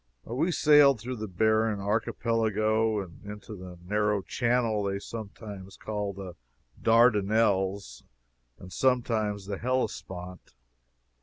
We sailed through the barren Archipelago, and into the narrow channel they sometimes call the Dardanelles and sometimes the Hellespont.